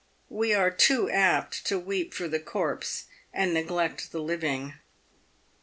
"We are too apt to weep for the corpse and neglect the living.